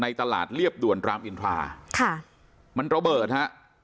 ตลาดเรียบด่วนรามอินทราค่ะมันระเบิดฮะ